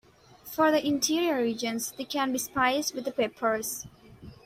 For the interior regions, they can be spiced with peppers.